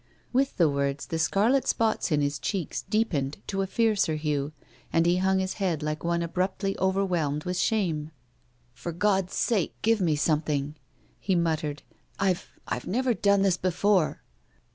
With the words, the scarlet spots in his cheeks deepened to a fiercer hue, and he hung his head like one abruptly overwhelmed with shame. THE LADY AND THE BEGGAR. 353 " For God's sake give me something !" he mut tered. " I've — I've never done this before."